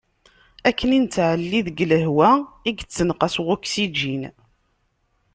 Akken nettɛelli deg lehwa i ineqqes wuksijin.